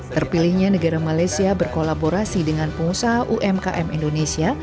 terpilihnya negara malaysia berkolaborasi dengan pengusaha umkm indonesia